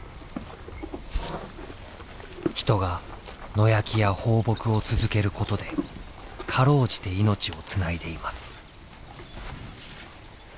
人が野焼きや放牧を続けることで辛うじて命をつないでいます。